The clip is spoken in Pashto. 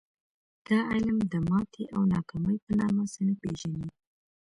دا علم د ماتې او ناکامۍ په نامه څه نه پېژني